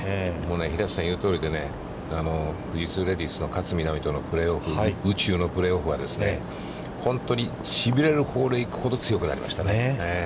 平瀬さんが言うとおりでね、富士通レディースの勝みなみとのプレーオフ、プレーオフはしびれるホールに行くほど強くなりましたね。